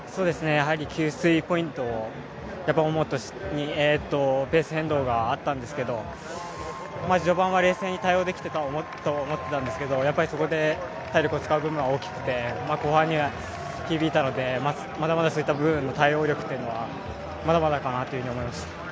給水ポイントで主にペース変動があったんですけど序盤は冷静に対応できていたと思うんですがそこで体力を使う部分が多くて、後半に響いたのでまだまだ、そういった部分の対応力というのはまだまだかなと思いました。